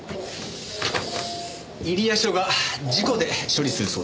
入谷署が事故で処理するそうです。